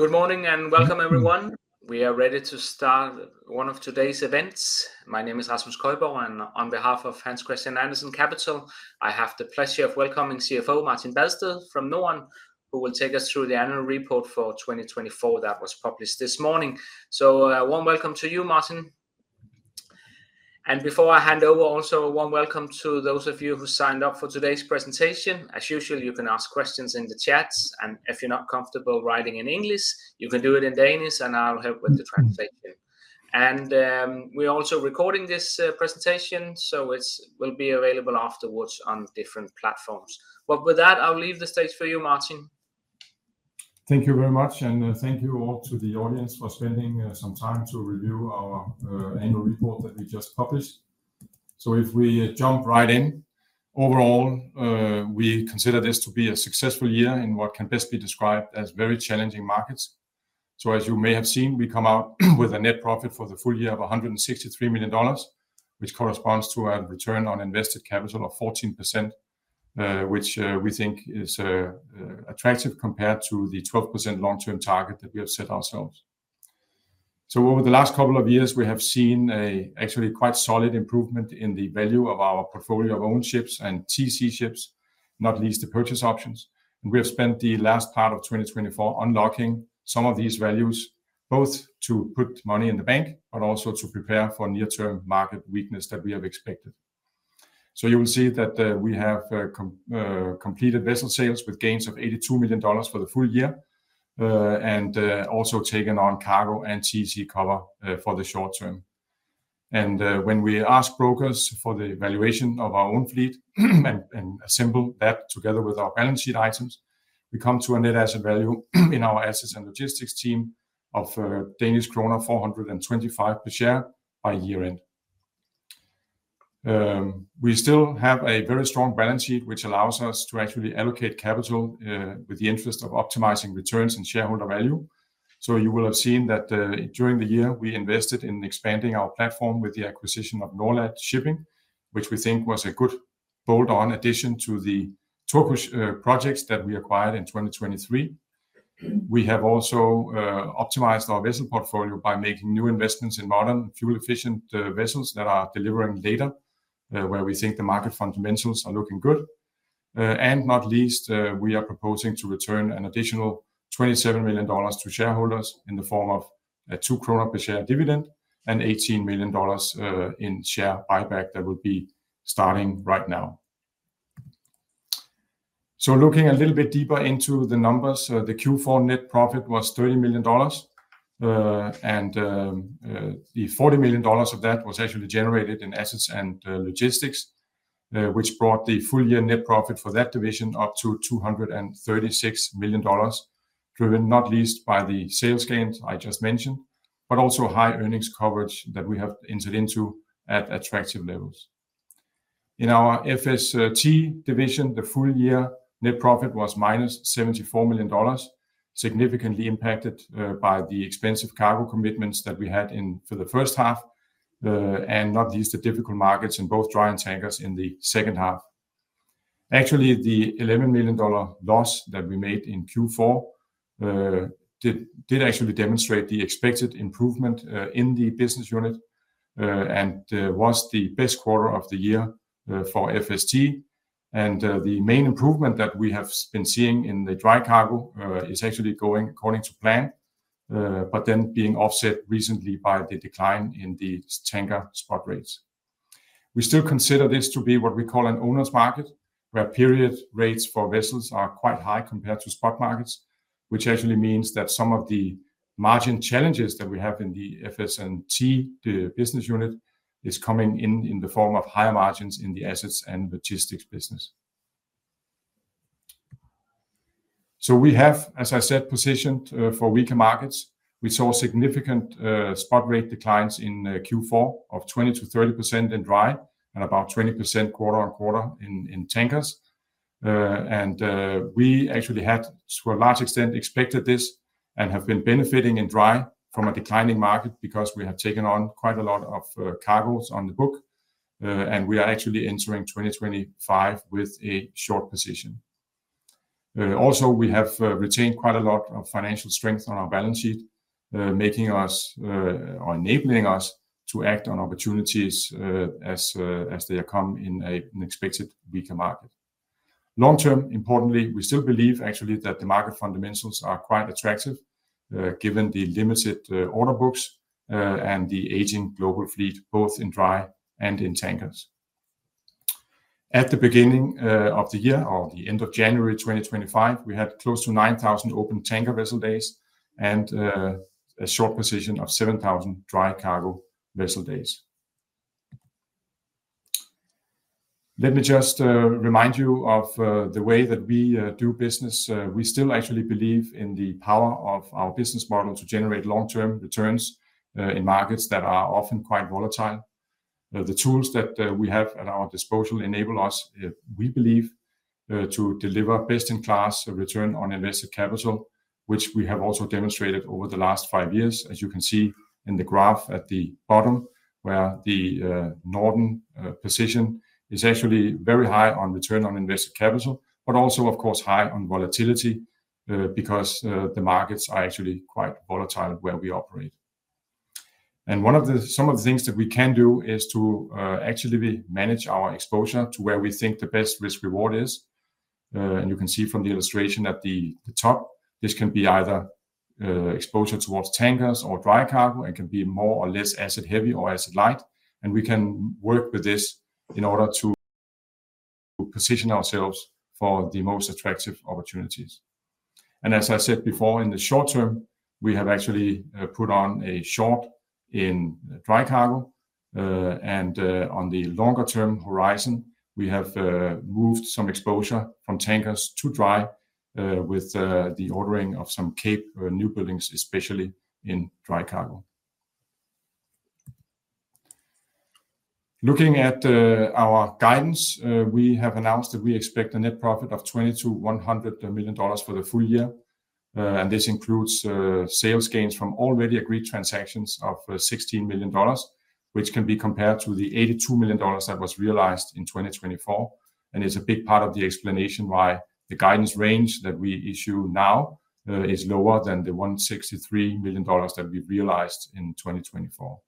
Good morning and welcome, everyone. We are ready to start one of today's events. My name is Rasmus Køjborg, and on behalf of Hans Christian Andersen Capital, I have the pleasure of welcoming CFO Martin Badsted from Norden, who will take us through the annual report for 2024 that was published this morning. So, a warm welcome to you, Martin. And before I hand over, also a warm welcome to those of you who signed up for today's presentation. As usual, you can ask questions in the chat, and if you're not comfortable writing in English, you can do it in Danish, and I'll help with the translation. And we're also recording this presentation, so it will be available afterwards on different platforms. But with that, I'll leave the stage for you, Martin. Thank you very much, and thank you all to the audience for spending some time to review our annual report that we just published. So if we jump right in, overall, we consider this to be a successful year in what can best be described as very challenging markets. So, as you may have seen, we come out with a net profit for the full year of $163 million, which corresponds to a return on invested capital of 14%, which we think is attractive compared to the 12% long-term target that we have set ourselves. So, over the last couple of years, we have seen an actually quite solid improvement in the value of our portfolio of ownerships and TC ships, not least the purchase options. We have spent the last part of 2024 unlocking some of these values, both to put money in the bank, but also to prepare for near-term market weakness that we have expected. You will see that we have completed vessel sales with gains of $82 million for the full year, and also taken on cargo and TC cover for the short term. When we ask brokers for the valuation of our own fleet and assemble that together with our balance sheet items, we come to a net asset value in our Assets & Logistics team of Danish krone 425 per share by year-end. We still have a very strong balance sheet, which allows us to actually allocate capital with the interest of optimizing returns and shareholder value. You will have seen that during the year, we invested in expanding our platform with the acquisition of Norlat Shipping, which we think was a good bolt-on addition to the Turkish projects that we acquired in 2023. We have also optimized our vessel portfolio by making new investments in modern, fuel-efficient vessels that are delivering data, where we think the market fundamentals are looking good. And not least, we are proposing to return an additional $27 million to shareholders in the form of a 2 krone per share dividend and $18 million in share buyback that will be starting right now. So, looking a little bit deeper into the numbers, the Q4 net profit was $30 million, and the $40 million of that was actually generated in assets and logistics, which brought the full-year net profit for that division up to $236 million, driven not least by the sales gains I just mentioned, but also high earnings coverage that we have entered into at attractive levels. In our FST division, the full-year net profit was minus $74 million, significantly impacted by the expensive cargo commitments that we had for the first half, and not least the difficult markets in both dry and tankers in the second half. Actually, the $11 million loss that we made in Q4 did actually demonstrate the expected improvement in the business unit and was the best quarter of the year for FST. The main improvement that we have been seeing in the dry cargo is actually going according to plan, but then being offset recently by the decline in the tanker spot rates. We still consider this to be what we call an owner's market, where period rates for vessels are quite high compared to spot markets, which actually means that some of the margin challenges that we have in the FS&T business unit are coming in in the form of higher margins in the assets and logistics business. So, we have, as I said, positioned for weaker markets. We saw significant spot rate declines in Q4 of 20%-30% in dry and about 20% quarter on quarter in tankers. We actually had, to a large extent, expected this and have been benefiting in dry from a declining market because we have taken on quite a lot of cargoes on the book, and we are actually entering 2025 with a short position. Also, we have retained quite a lot of financial strength on our balance sheet, making us or enabling us to act on opportunities as they come in an expected weaker market. Long-term, importantly, we still believe actually that the market fundamentals are quite attractive given the limited order books and the aging global fleet, both in dry and in tankers. At the beginning of the year or the end of January 2025, we had close to 9,000 open tanker vessel days and a short position of 7,000 dry cargo vessel days. Let me just remind you of the way that we do business. We still actually believe in the power of our business model to generate long-term returns in markets that are often quite volatile. The tools that we have at our disposal enable us, we believe, to deliver best-in-class return on invested capital, which we have also demonstrated over the last five years, as you can see in the graph at the bottom, where the Norden position is actually very high on return on invested capital, but also, of course, high on volatility because the markets are actually quite volatile where we operate, and one of the things that we can do is to actually manage our exposure to where we think the best risk-reward is, and you can see from the illustration at the top, this can be either exposure towards tankers or dry cargo and can be more or less asset-heavy or asset-light. And we can work with this in order to position ourselves for the most attractive opportunities. And as I said before, in the short term, we have actually put on a short in dry cargo. And on the longer-term horizon, we have moved some exposure from tankers to dry with the ordering of some cape new buildings, especially in dry cargo. Looking at our guidance, we have announced that we expect a net profit of $22,100 million for the full year. And this includes sales gains from already agreed transactions of $16 million, which can be compared to the $82 million that was realized in 2024. And it's a big part of the explanation why the guidance range that we issue now is lower than the $163 million that we realized in 2024.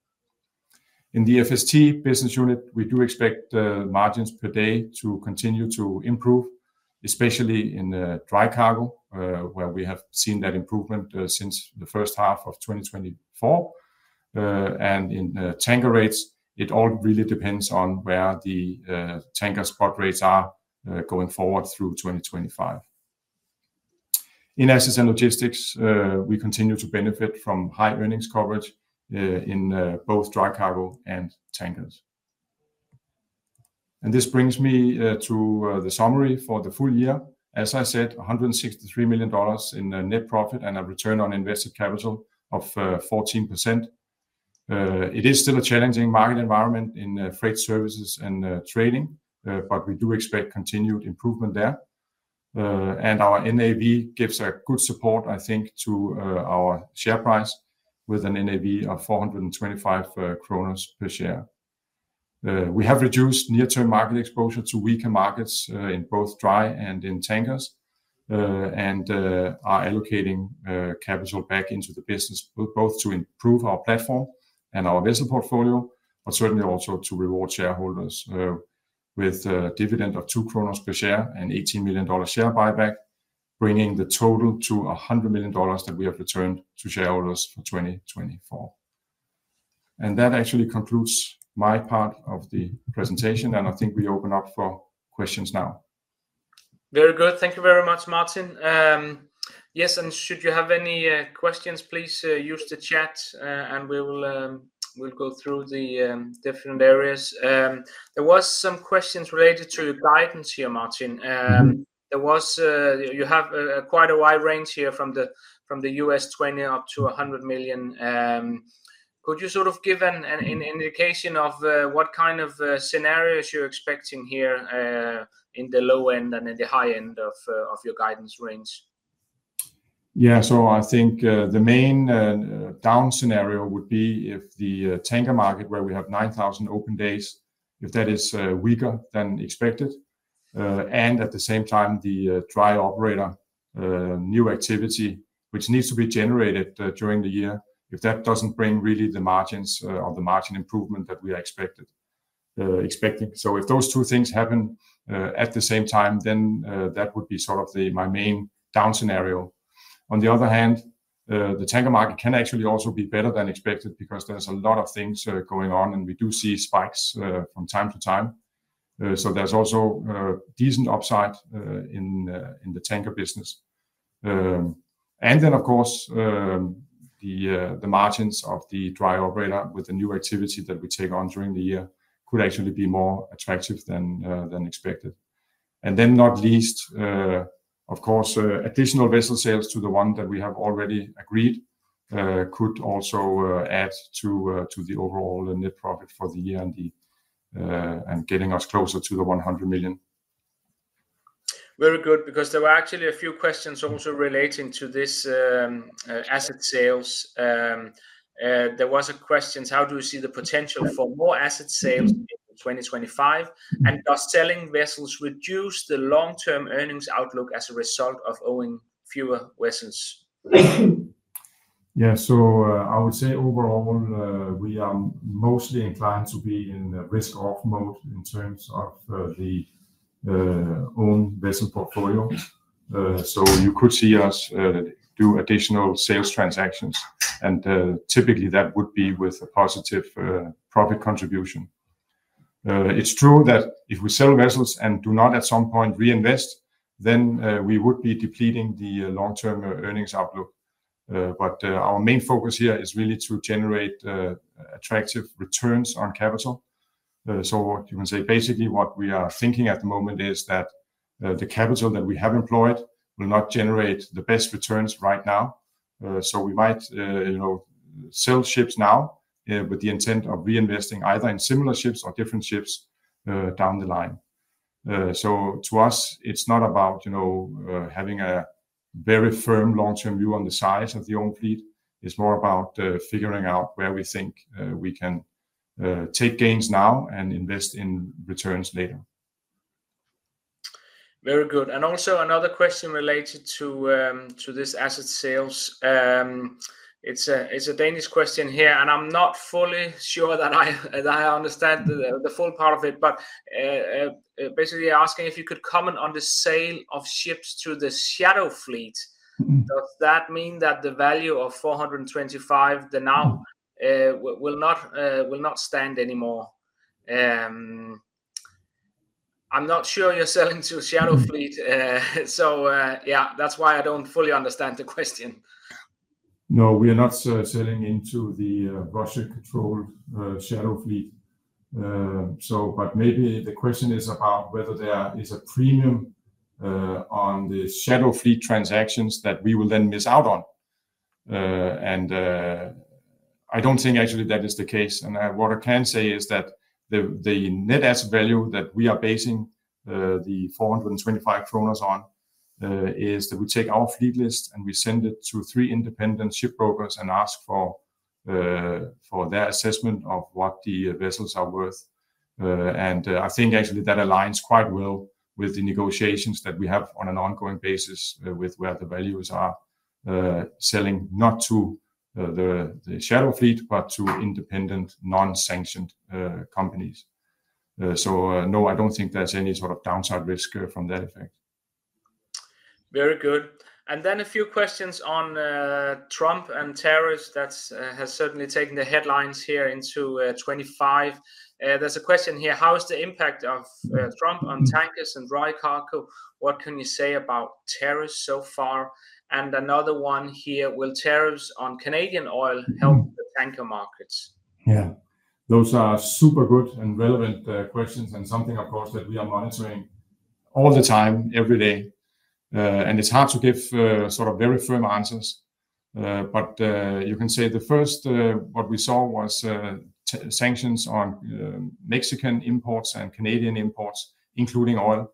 In the FST business unit, we do expect margins per day to continue to improve, especially in dry cargo, where we have seen that improvement since the first half of 2024. And in tanker rates, it all really depends on where the tanker spot rates are going forward through 2025. In assets and logistics, we continue to benefit from high earnings coverage in both dry cargo and tankers. And this brings me to the summary for the full year. As I said, $163 million in net profit and a return on invested capital of 14%. It is still a challenging market environment in freight services and trading, but we do expect continued improvement there. And our NAV gives a good support, I think, to our share price with an NAV of 425 kroner per share. We have reduced near-term market exposure to weaker markets in both dry and in tankers and are allocating capital back into the business, both to improve our platform and our vessel portfolio, but certainly also to reward shareholders with a dividend of 2 kroner per share and $18 million share buyback, bringing the total to $100 million that we have returned to shareholders for 2024. That actually concludes my part of the presentation, and I think we open up for questions now. Very good. Thank you very much, Martin. Yes, and should you have any questions, please use the chat, and we'll go through the different areas. There were some questions related to guidance here, Martin. There was you have quite a wide range here from $20-$100 million. Could you sort of give an indication of what kind of scenarios you're expecting here in the low end and in the high end of your guidance range? Yeah, so I think the main down scenario would be if the tanker market, where we have 9,000 open days, if that is weaker than expected, and at the same time, the Dry Operator new activity, which needs to be generated during the year, if that doesn't bring really the margins of the margin improvement that we are expecting, so if those two things happen at the same time, then that would be sort of my main down scenario. On the other hand, the tanker market can actually also be better than expected because there's a lot of things going on, and we do see spikes from time to time, so there's also decent upside in the tanker business, and then, of course, the margins of the Dry Operator with the new activity that we take on during the year could actually be more attractive than expected. Then, not least, of course, additional vessel sales to the one that we have already agreed could also add to the overall net profit for the year and getting us closer to the $100 million. Very good, because there were actually a few questions also relating to this asset sales. There was a question, how do you see the potential for more asset sales in 2025, and does selling vessels reduce the long-term earnings outlook as a result of owning fewer vessels? Yeah, so I would say overall, we are mostly inclined to be in risk-off mode in terms of the own vessel portfolio. So you could see us do additional sales transactions, and typically that would be with a positive profit contribution. It's true that if we sell vessels and do not at some point reinvest, then we would be depleting the long-term earnings outlook. But our main focus here is really to generate attractive returns on capital. So you can say basically what we are thinking at the moment is that the capital that we have employed will not generate the best returns right now. So we might sell ships now with the intent of reinvesting either in similar ships or different ships down the line. So to us, it's not about having a very firm long-term view on the size of the own fleet. It's more about figuring out where we think we can take gains now and invest in returns later. Very good. And also another question related to this asset sales. It's a Danish question here, and I'm not fully sure that I understand the full part of it, but basically asking if you could comment on the sale of ships to the shadow fleet. Does that mean that the value of 425 now will not stand anymore? I'm not sure you're selling to a shadow fleet, so yeah, that's why I don't fully understand the question. No, we are not selling into the Russia-controlled shadow fleet. But maybe the question is about whether there is a premium on the shadow fleet transactions that we will then miss out on. And I don't think actually that is the case. And what I can say is that the net asset value that we are basing the 425 kroner on is that we take our fleet list and we send it to three independent ship brokers and ask for their assessment of what the vessels are worth. And I think actually that aligns quite well with the negotiations that we have on an ongoing basis with where the values are selling not to the shadow fleet, but to independent non-sanctioned companies. So no, I don't think there's any sort of downside risk from that effect. Very good. And then a few questions on Trump and tariffs. That has certainly taken the headlines here in 2025. There's a question here, how is the impact of Trump on tankers and dry cargo? What can you say about tariffs so far? And another one here, will tariffs on Canadian oil help the tanker markets? Yeah, those are super good and relevant questions and something, of course, that we are monitoring all the time, every day. And it's hard to give sort of very firm answers. But you can say the first what we saw was sanctions on Mexican imports and Canadian imports, including oil.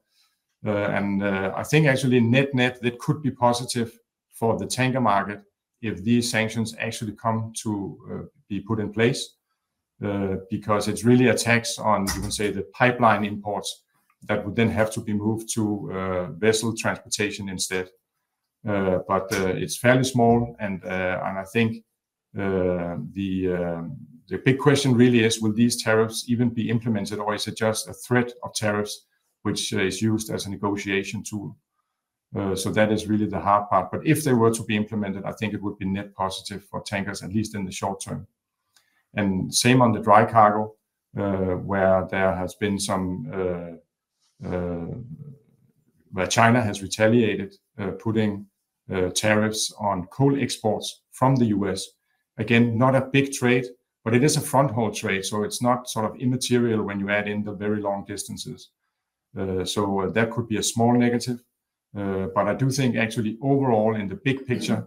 And I think actually net-net that could be positive for the tanker market if these sanctions actually come to be put in place because it's really a tax on, you can say, the pipeline imports that would then have to be moved to vessel transportation instead. But it's fairly small. And I think the big question really is, will these sanctions even be implemented or is it just a threat of tariffs which is used as a negotiation tool? So that is really the hard part. But if they were to be implemented, I think it would be net positive for tankers, at least in the short term, and same on the dry cargo, where there has been somewhere China has retaliated, putting tariffs on coal exports from the U.S. Again, not a big trade, but it is a front-haul trade, so it's not sort of immaterial when you add in the very long distances, so that could be a small negative, but I do think actually overall, in the big picture,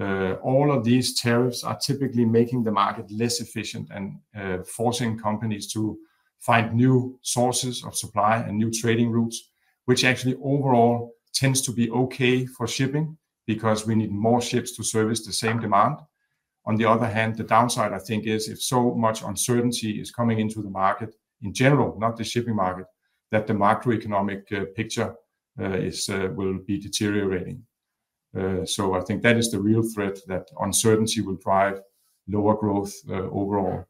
all of these tariffs are typically making the market less efficient and forcing companies to find new sources of supply and new trading routes, which actually overall tends to be okay for shipping because we need more ships to service the same demand. On the other hand, the downside, I think, is if so much uncertainty is coming into the market in general, not the shipping market, that the macroeconomic picture will be deteriorating, so I think that is the real threat that uncertainty will drive lower growth overall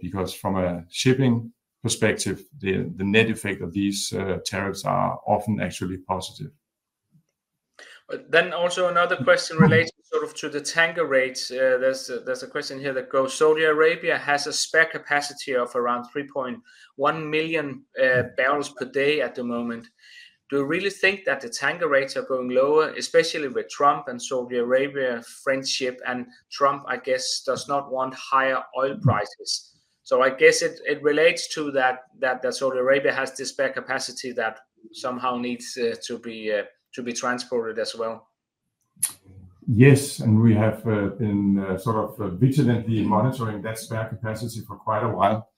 because from a shipping perspective, the net effect of these tariffs are often actually positive. Then also another question related sort of to the tanker rates. There's a question here that goes, Saudi Arabia has a spare capacity of around 3.1 million barrels per day at the moment. Do you really think that the tanker rates are going lower, especially with Trump and Saudi Arabia friendship? And Trump, I guess, does not want higher oil prices. So I guess it relates to that Saudi Arabia has this spare capacity that somehow needs to be transported as well. Yes, and we have been sort of vigilantly monitoring that spare capacity for quite a while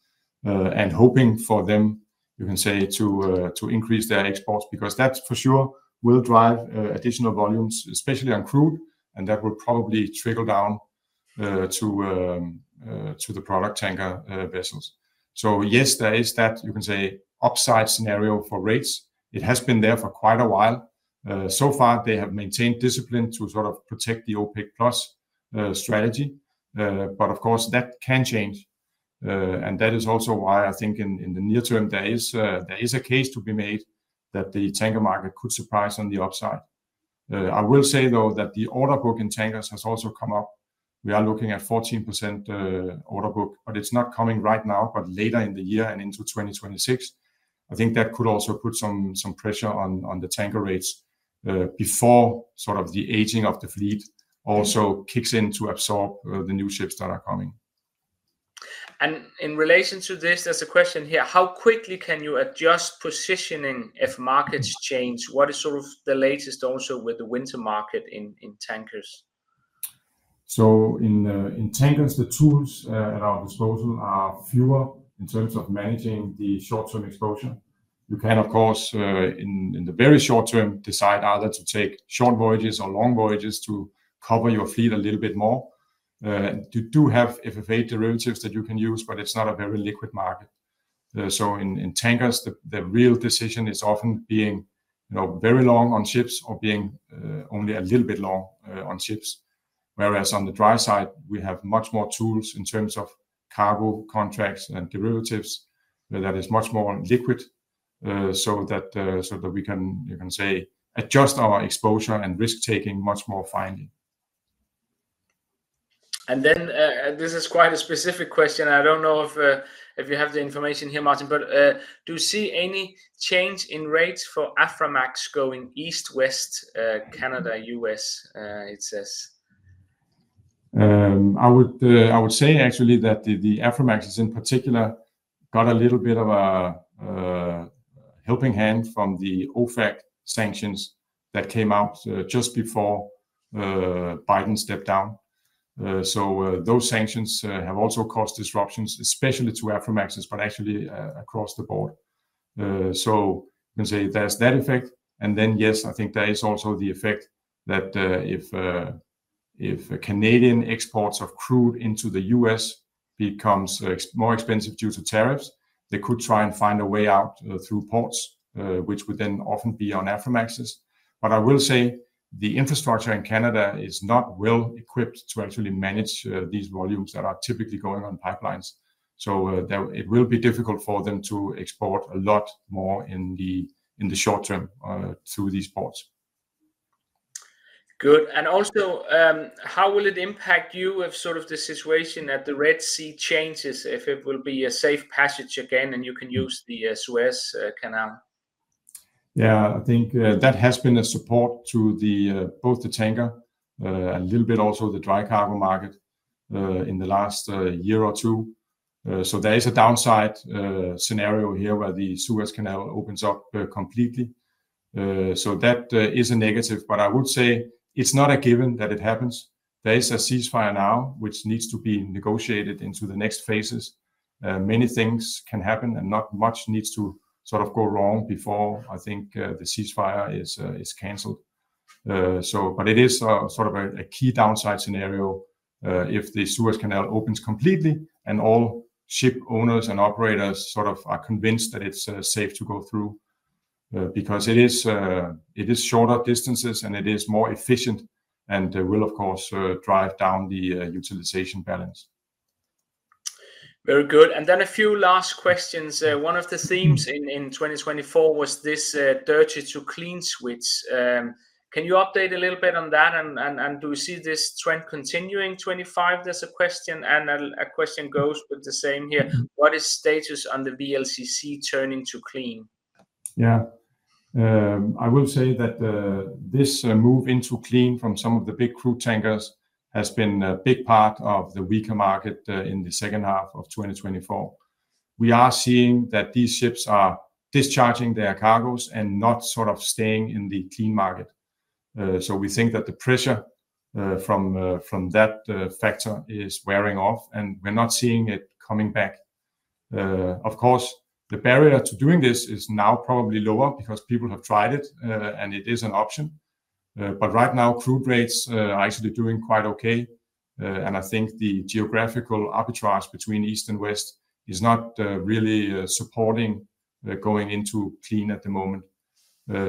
and hoping for them, you can say, to increase their exports because that for sure will drive additional volumes, especially on crude, and that will probably trickle down to the product tanker vessels. So yes, there is that, you can say, upside scenario for rates. It has been there for quite a while. So far, they have maintained discipline to sort of protect the OPEC+ strategy. But of course, that can change. And that is also why I think in the near term, there is a case to be made that the tanker market could surprise on the upside. I will say, though, that the order book in tankers has also come up. We are looking at 14% order book, but it's not coming right now, but later in the year and into 2026. I think that could also put some pressure on the tanker rates before sort of the aging of the fleet also kicks in to absorb the new ships that are coming. In relation to this, there's a question here. How quickly can you adjust positioning if markets change? What is sort of the latest also with the winter market in tankers? So in tankers, the tools at our disposal are fewer in terms of managing the short-term exposure. You can, of course, in the very short term, decide either to take short voyages or long voyages to cover your fleet a little bit more. You do have FFA derivatives that you can use, but it's not a very liquid market. So in tankers, the real decision is often being very long on ships or being only a little bit long on ships. Whereas on the dry side, we have much more tools in terms of cargo contracts and derivatives that are much more liquid so that we can, you can say, adjust our exposure and risk-taking much more finely. Then this is quite a specific question. I don't know if you have the information here, Martin, but do you see any change in rates for Aframax going east-west Canada, U.S., it says? I would say actually that the Aframax is in particular got a little bit of a helping hand from the OFAC sanctions that came out just before Biden stepped down. So those sanctions have also caused disruptions, especially to Aframaxes, but actually across the board. So you can say there's that effect. And then yes, I think there is also the effect that if Canadian exports of crude into the U.S. becomes more expensive due to tariffs, they could try and find a way out through ports, which would then often be on Aframaxes. But I will say the infrastructure in Canada is not well equipped to actually manage these volumes that are typically going on pipelines. So it will be difficult for them to export a lot more in the short term through these ports. Good. And also, how will it impact you if sort of the situation at the Red Sea changes, if it will be a safe passage again and you can use the Suez Canal? Yeah, I think that has been a support to both the tanker, a little bit also the dry cargo market in the last year or two, so there is a downside scenario here where the Suez Canal opens up completely, so that is a negative, but I would say it's not a given that it happens. There is a ceasefire now, which needs to be negotiated into the next phases. Many things can happen and not much needs to sort of go wrong before, I think, the ceasefire is canceled, but it is sort of a key downside scenario if the Suez Canal opens completely and all ship owners and operators sort of are convinced that it's safe to go through because it is shorter distances and it is more efficient and will, of course, drive down the utilization balance. Very good. And then a few last questions. One of the themes in 2024 was this dirty to clean switch. Can you update a little bit on that? And do you see this trend continuing 2025? There's a question. And a question goes with the same here. What is status on the VLCC turning to clean? Yeah, I will say that this move into clean from some of the big crude tankers has been a big part of the weaker market in the second half of 2024. We are seeing that these ships are discharging their cargos and not sort of staying in the clean market. So we think that the pressure from that factor is wearing off and we're not seeing it coming back. Of course, the barrier to doing this is now probably lower because people have tried it and it is an option. But right now, crude rates are actually doing quite okay. And I think the geographical arbitrage between east and west is not really supporting going into clean at the moment.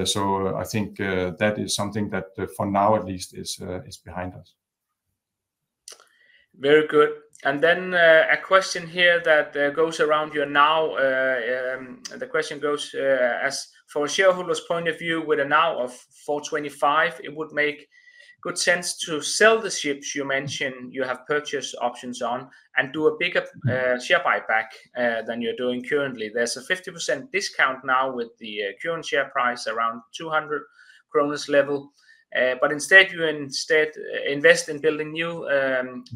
So I think that is something that for now, at least, is behind us. Very good. And then a question here that goes around your NAV. The question goes, as for a shareholder's point of view, with a NAV of 425, it would make good sense to sell the ships you mentioned you have purchase options on and do a bigger share buyback than you're doing currently. There's a 50% discount now with the current share price around 200 level. But instead, you instead invest in building new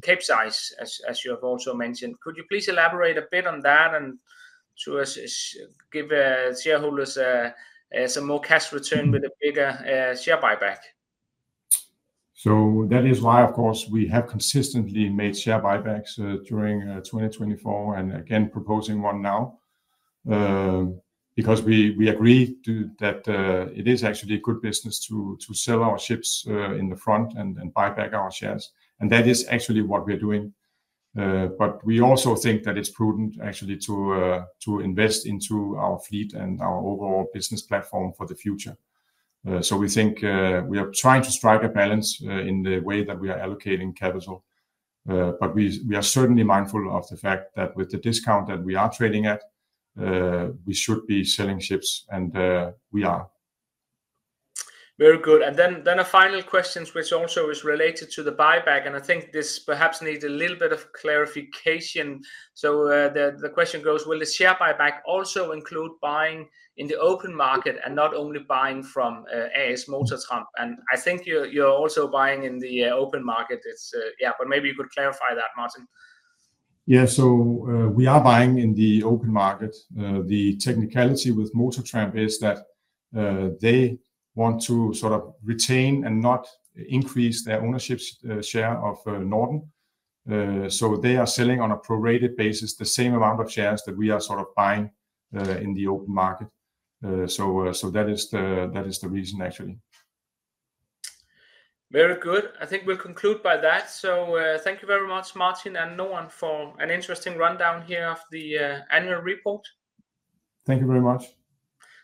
capesize, as you have also mentioned. Could you please elaborate a bit on that and give shareholders some more cash return with a bigger share buyback? So that is why, of course, we have consistently made share buybacks during 2024 and again proposing one now because we agree that it is actually a good business to sell our ships in the front and buy back our shares. And that is actually what we're doing. But we also think that it's prudent actually to invest into our fleet and our overall business platform for the future. So we think we are trying to strike a balance in the way that we are allocating capital. But we are certainly mindful of the fact that with the discount that we are trading at, we should be selling ships and we are. Very good. And then a final question, which also is related to the buyback. And I think this perhaps needs a little bit of clarification. So the question goes, will the share buyback also include buying in the open market and not only buying from AS Motor Trump? And I think you're also buying in the open market. Yeah, but maybe you could clarify that, Martin. Yeah, so we are buying in the open market. The technicality with AS Motor Trump is that they want to sort of retain and not increase their ownership share of Norden. So they are selling on a prorated basis, the same amount of shares that we are sort of buying in the open market. So that is the reason actually. Very good. I think we'll conclude by that. So thank you very much, Martin and Noan, for an interesting rundown here of the annual report. Thank you very much.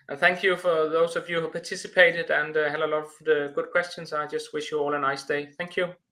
And thank you for those of you who participated and had a lot of good questions. I just wish you all a nice day. Thank you.